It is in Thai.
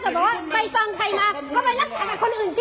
ถ้าเกิดว่าไปส่องใครมาก็ไปรักษาแบบคนอื่นสิ